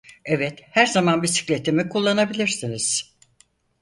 Evet, her zaman bisikletimi kullanabilirsiniz.